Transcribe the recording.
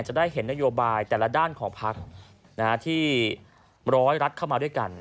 จะได้เห็นนโยบายแต่ละด้านของพักที่ร้อยรัฐเข้ามาด้วยกัน